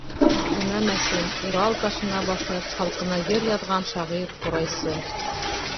Бына Мәсем: Урал ташына баҫып, халҡына йыр яҙған шағир ҡурайсы...